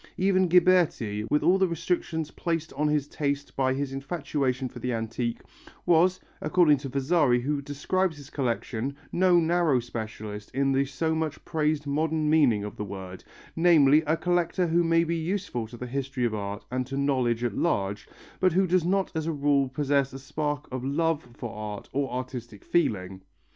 Even Ghiberti, with all the restrictions placed on his taste by his infatuation for the antique, was, according to Vasari who describes his collection, no narrow specialist in the so much praised modern meaning of the word, namely, a collector who may be useful to the history of art and to knowledge at large, but who does not as a rule possess a spark of love for art or artistic feeling.